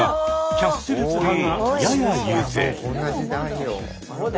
キャッシュレス派がやや優勢。